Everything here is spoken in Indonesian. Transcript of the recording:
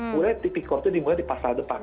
mulai di pikirkan dimulai di pasal depan